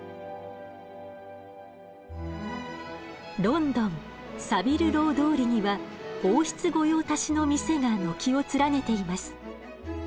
ロンドンサビル・ロー通りには王室御用達の店が軒を連ねています。